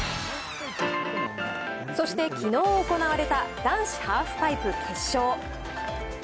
そしてきのう行われた男子ハーフパイプ決勝。